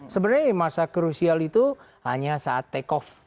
sebenarnya masa krusial itu hanya saat take off